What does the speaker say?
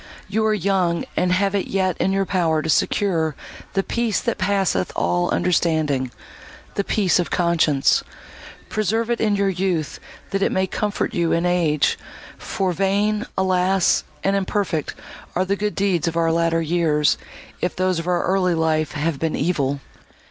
You are young, and have it yet in your power to secure 'the peace that passeth all understanding'—the peace of conscience. Preserve it in your youth, that it may comfort you in age; for vain, alas! and imperfect are the good deeds of our latter years, if those of our early life have been evil!"